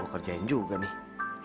mau kerjain juga nih